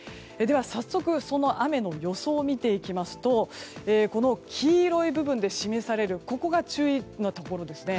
早速その雨の予想を見ていきますとこの黄色い部分で示されるところが注意のところですね。